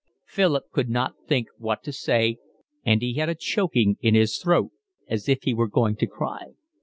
Philip could not think what to say, and he had a choking in his throat as if he were going to cry.